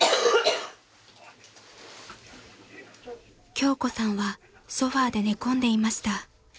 ［京子さんはソファで寝込んでいました］